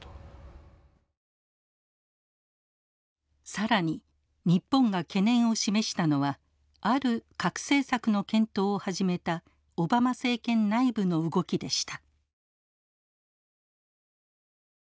更に日本が懸念を示したのはある核政策の検討を始めたオバマ政権内部の動きでした。